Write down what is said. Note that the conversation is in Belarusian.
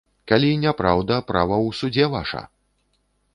Калі няпраўда, права ў судзе ваша.